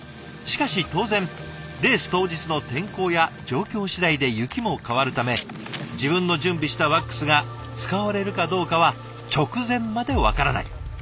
しかし当然レース当日の天候や状況しだいで雪も変わるため自分の準備したワックスが使われるかどうかは直前まで分からない。